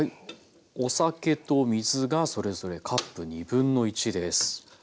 お酒と水がそれぞれカップ1/2です。